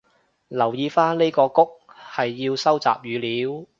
留意返呢個谷係要收集語料